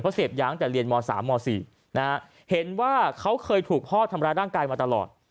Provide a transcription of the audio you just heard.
เสพยาตั้งแต่เรียนม๓ม๔นะฮะเห็นว่าเขาเคยถูกพ่อทำร้ายร่างกายมาตลอด